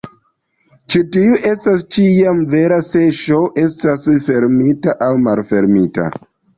Ĉi tiu estas ĉiam vera se "S" estas fermita aŭ malfermita.